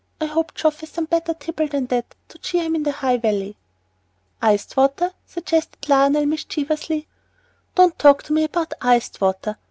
I hope Geoff has some better tipple than that to cheer him in the High Valley." "Iced water," suggested Lionel, mischievously. "Don't talk to me about iced water.